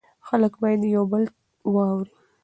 خلک باید یو بل واوري.